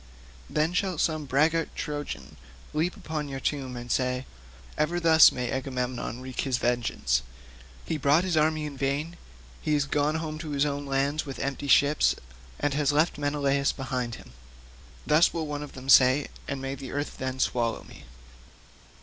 Then shall some braggart Trojan leap upon your tomb and say, 'Ever thus may Agamemnon wreak his vengeance; he brought his army in vain; he is gone home to his own land with empty ships, and has left Menelaus behind him.' Thus will one of them say, and may the earth then swallow me."